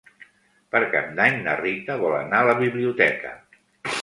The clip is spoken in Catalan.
Per Cap d'Any na Rita vol anar a la biblioteca.